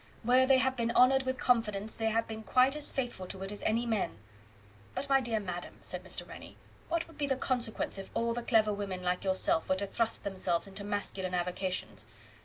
Where they have been honoured with confidence they have been quite as faithful to it as any men." "But, my dear madam," said Mr. Rennie, "what would be the consequence if all the clever women like yourself were to thrust themselves into masculine avocations?